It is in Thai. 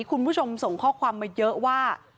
คุณผู้ชมส่งข้อความมาเยอะว่า